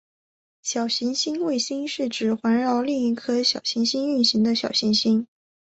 小行星卫星是指环绕另一颗小行星运行的小行星。